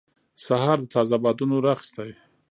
سهار د تازه بادونو رقص دی.